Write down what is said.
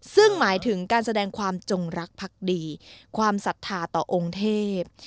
ซึ่งหมายถึงการแสดงความจงรักพักดีความศรัทธาต่อองค์เทพ